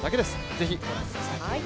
ぜひ、ご覧ください。